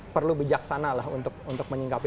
perlu bijaksana lah untuk menyingkapi